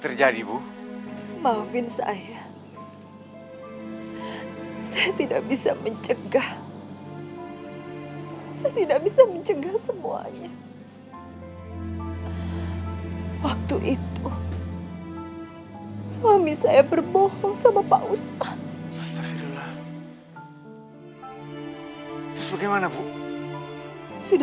berbahagialah semua saudara saudariku